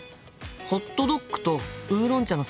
ホットドッグとウーロン茶のセット